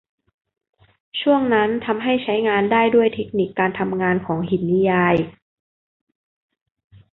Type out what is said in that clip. ช่วงนั้นทำให้ใช้งานได้ด้วยเทคนิคการทำงานของหินนิยาย